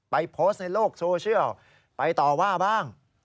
โพสต์ในโลกโซเชียลไปต่อว่าบ้าง